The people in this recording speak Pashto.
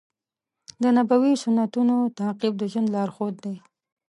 د نبوي سنتونو تعقیب د ژوند لارښود دی.